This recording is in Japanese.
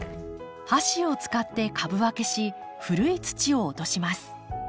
箸を使って株分けし古い土を落とします。